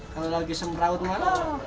kalau lagi semraut malem